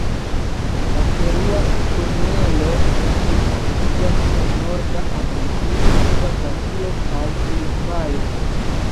La Perua sturnelo reproduktiĝas en norda Argentino, suda Brazilo, kaj Urugvajo.